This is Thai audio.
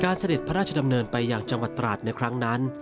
เสด็จพระราชดำเนินไปอย่างจังหวัดตราดในครั้งนั้น